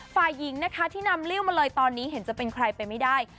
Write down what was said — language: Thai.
ฝ่ายหญิงกันเห็นจะเป็นใครไปไม่ได้